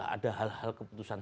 ada hal hal keputusan